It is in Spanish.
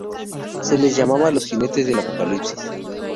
Se les llamaba los jinetes del Apocalipsis.